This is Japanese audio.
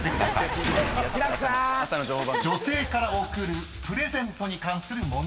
［女性から贈るプレゼントに関する問題］